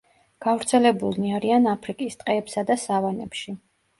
გავრცელებულნი არიან აფრიკის ტყეებსა და სავანებში.